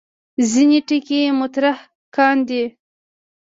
ځینې ټکي مطرح کاندي.